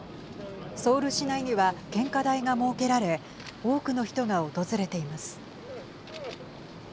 ソウル市内には献花台が設けられ多くの人が訪れています。